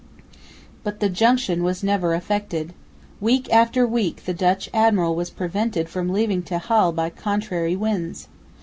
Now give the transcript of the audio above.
But the junction was never effected. Week after week the Dutch admiral was prevented from leaving the Texel by contrary winds.